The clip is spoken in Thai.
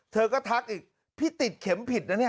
เธอก็ทักอีกพี่ติดเข็มผิดนะเนี่ย